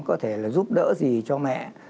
có thể là giúp đỡ gì cho mẹ